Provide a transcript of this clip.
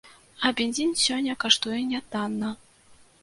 А бензін сёння каштуе нятанна.